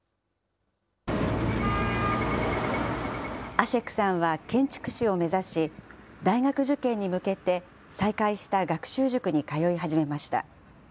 アシェクさんは、建築士を目指し、大学受験に向けて再開した学習塾に通い始めました。